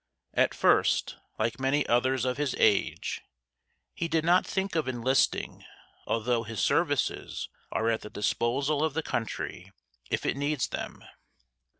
At first, like many others of his age, he did not "think of enlisting", although "his services are at the disposal of the Country if it needs them."